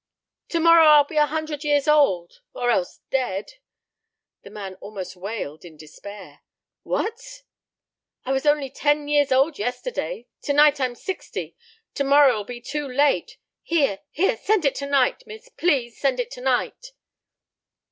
"To morrow I'll be a hundred years old, or else dead," the man almost wailed in despair. "What?" "I was only ten years old yesterday. To night I'm sixty. To morrow'll be too late. Here here send it to night, Miss. Please send it to night."